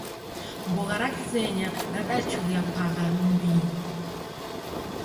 Mbogha ra Kizenya radachuria pagha mmbinyi